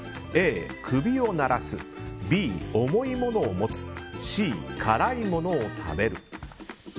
Ａ、首を鳴らすＢ、重い物を持つＣ、辛いものを食べる。